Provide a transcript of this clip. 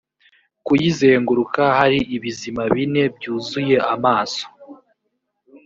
kuyizenguruka hari ibizima bine byuzuye amaso